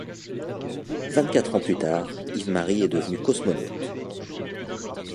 Vingt-quatre ans plus tard, Yves-Marie est devenu cosmonaute.